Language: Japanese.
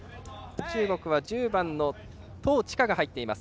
中国は１０番、唐治華が入っています。